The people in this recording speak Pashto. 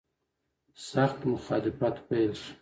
سخت مخالفت پیل شو.